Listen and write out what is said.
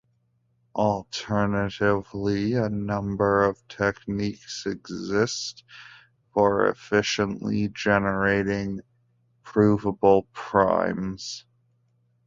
Alternatively, a number of techniques exist for efficiently generating provable primes.